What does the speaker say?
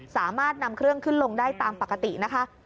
สามารถนำเครื่องขึ้นลงได้ตามปกตินะคะ